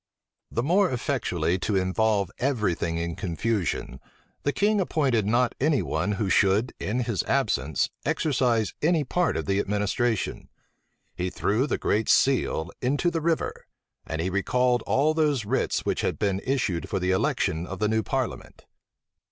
The more effectually to involve every thing in confusion, the king appointed not any one who should, in his absence, exercise any part of the administration; he threw the great seal into the river; and he recalled all those writs which had been issued for the election of the new parliament.